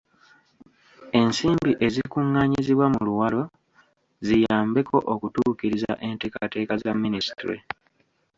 Ensimbi ezikuŋŋaanyizibwa mu luwalo ziyambeko okutuukiriza enteekateeka za minisitule.